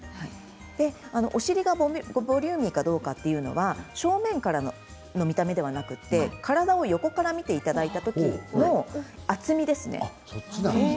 お尻がボリューミーかどうかは正面からの見た目ではなくて体を横から見た時、厚みですね。